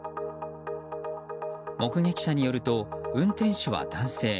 目撃者によると、運転手は男性。